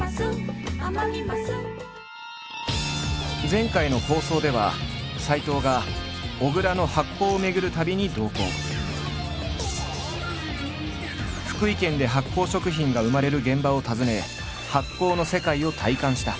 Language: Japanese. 前回の放送では斎藤が小倉の福井県で発酵食品が生まれる現場を訪ね発酵の世界を体感した。